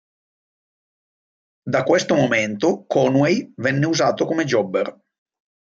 Da questo momento Conway venne usato come Jobber.